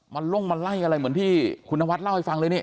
ลงมาไล่อะไรเหมือนที่คุณนวัดเล่าให้ฟังเลยนี่